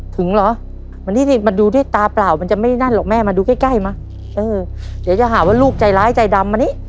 ถึงหรอมานี่ดูด้วยตาเปล่ามันจะไม่ได้นั่นหรอกแม่มาดูใกล้มาเดี๋ยวจะหาว่าลูกใจร้ายใจดำมานี่